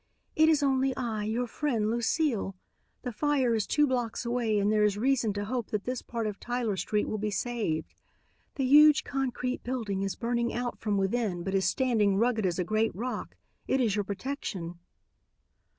"It is only I, your friend, Lucile. The fire is two blocks away and there is reason to hope that this part of Tyler street will be saved. The huge concrete building is burning out from within but is standing rugged as a great rock. It is your protection."